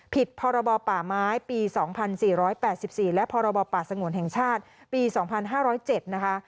ผิดพรบป่าไม้ปี๒๔๘๔และพรบป่าสงวนแห่งชาติปี๒๕๐๗นะคะ